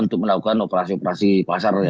untuk melakukan operasi operasi pasar